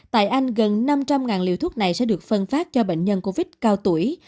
tại anh gần năm trăm linh liều thuốc này sẽ được phân phát cho bệnh nhân covid cao tuổi